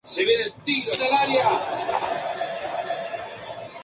Su territorio limitaba con los de los várdulos y el de los autrigones.